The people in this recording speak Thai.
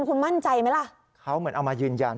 คุณมั่นใจไหมล่ะเขาเหมือนเอามายืนยัน